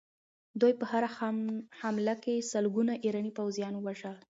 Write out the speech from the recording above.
دوی په هره حمله کې سلګونه ایراني پوځیان وژل.